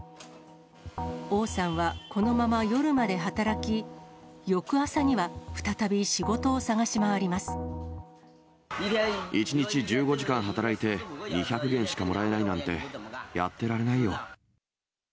王さんはこのまま夜まで働き、１日１５時間働いて、２００元しかもらえないなんて、やってられないよ。